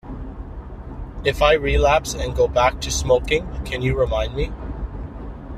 If I relapse and go back to smoking, can you remind me?